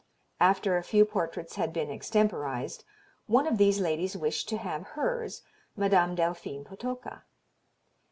After a few portraits had been extemporized, one of these ladies wished to have hers Mme. Delphine Potocka.